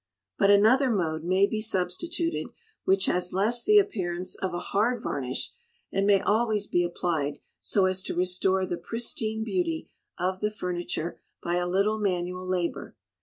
But another Mode may be substituted, which has less the appearance of a hard varnish, and may always be applied so as to restore the pristine beauty of the furniture by a little manual labour.